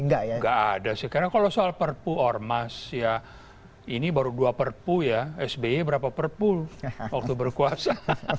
nggak ada sih karena kalau soal perpu or mas ini baru dua perpu ya sby berapa perpu waktu berkuasa